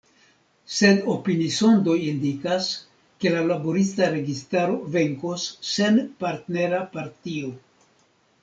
Sed opinisondoj indikas, ke la Laborista Registaro venkos sen partnera partio.